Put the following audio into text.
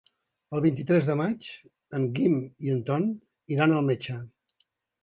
El vint-i-tres de maig en Guim i en Tom iran al metge.